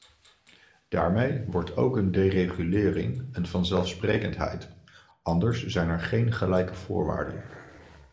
Daarmee wordt ook een deregulering een vanzelfsprekendheid, anders zijn er geen gelijke voorwaarden.